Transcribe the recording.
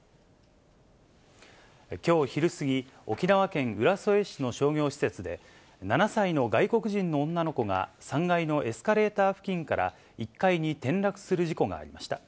きょう昼過ぎ、沖縄県浦添市の商業施設で、７歳の外国人の女の子が、３階のエスカレーター付近から１階に転落する事故がありました。